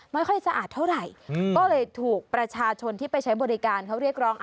ไม่ค่อยสะอาดเท่าไหร่ก็เลยถูกประชาชนที่ไปใช้บริการเขาเรียกร้อง